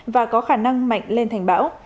và có khả năng mạnh lên thành bão